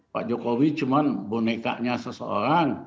pak jokowi cuma bonekanya seseorang